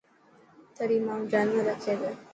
ٿري ماڻهو جانور رکي ٿو.